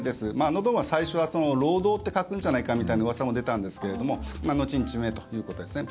ノドンは最初は、「労働」って書くんじゃないかみたいなうわさも出たんですけれども後に地名ということですね。